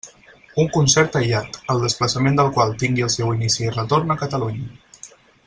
Un concert aïllat, el desplaçament del qual tingui el seu inici i retorn a Catalunya.